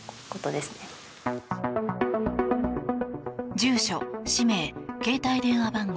住所、氏名、携帯電話番号